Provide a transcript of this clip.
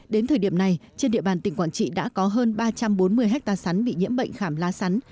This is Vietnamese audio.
đến thời điểm này trên địa bàn tỉnh quảng trị đã có hơn ba trăm bốn mươi hectare sắn bị nhiễm bệnh khảm lá sắn